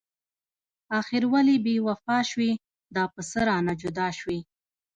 اخر ولې بې وفا شوي؟ دا په څه رانه جدا شوي؟